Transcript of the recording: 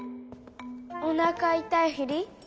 おなかいたいふり？